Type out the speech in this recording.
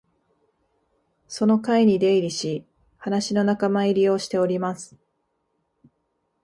その会に出入りし、話の仲間入りをしております